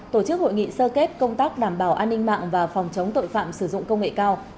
tổ chức hội nghị sơ kết công tác đảm bảo an ninh mạng và phòng chống tội phạm sử dụng công nghệ cao